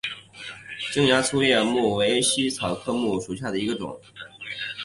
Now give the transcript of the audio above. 琼崖粗叶木为茜草科粗叶木属下的一个种。